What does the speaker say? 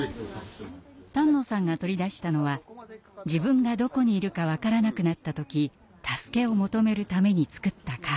丹野さんが取り出したのは自分がどこにいるか分からなくなった時助けを求めるために作ったカード。